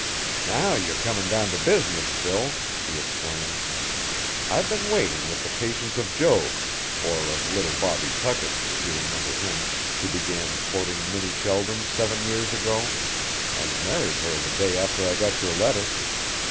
"Now you're coming down to business, Phil," he exclaimed. "I've been waiting with the patience of Job or of little Bobby Tuckett, if you remember him, who began courting Minnie Sheldon seven years ago and married her the day after I got your letter.